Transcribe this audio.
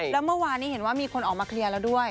แล้วเมื่อวานนี้เห็นว่ามีคนออกมาเคลียร์แล้วด้วย